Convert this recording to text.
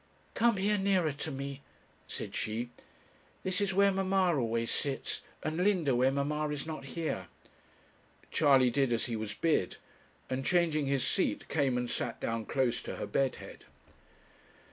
'Come here nearer to me,' said she; 'this is where mamma always sits, and Linda when mamma is not here.' Charley did as he was bid, and, changing his seat, came and sat down close to her bed head.